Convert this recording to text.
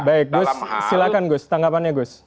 baik gus silakan tanggapannya gus